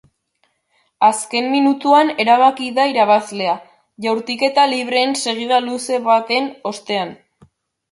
Azken minutuan erabaki da irabazlea, jaurtiketa libreen segida luze baten ostean.